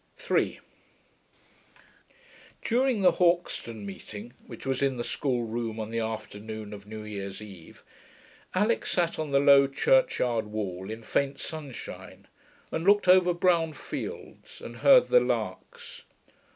3 During the Hauxton meeting, which was in the schoolroom on the afternoon of new year's eve, Alix sat on the low churchyard wall in faint sunshine and looked over brown fields and heard the larks.